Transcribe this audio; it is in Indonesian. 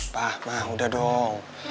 pak ma udah dong